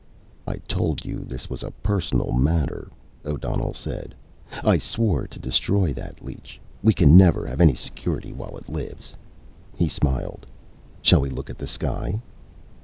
"I told you this was a personal matter," O'Donnell said. "I swore to destroy that leech. We can never have any security while it lives." He smiled. "Shall we look at the sky?"